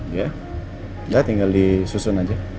iya udah tinggal disusun aja